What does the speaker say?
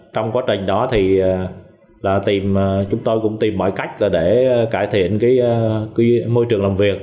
trong quá trình đó thì là tìm chúng tôi cũng tìm mọi cách là để cải thiện môi trường làm việc